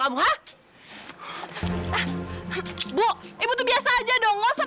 eh bu ibu tuh masih aja yang ngelak